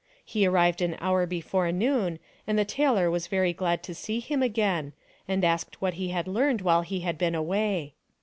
He arrived an hour before noon and the tailor was very glad to see him again and asked what he had learned while he had been away.